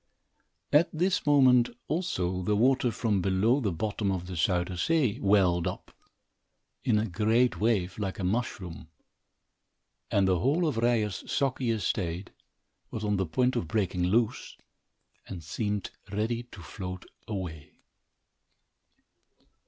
At this moment, also, the water, from below the bottom of the Zuyder Zee, welled up, in a great wave, like a mushroom, and the whole of Ryer's soggy estate was on the point of breaking loose and seemed ready to float away.